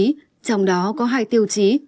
trong đó có hai tiêu chí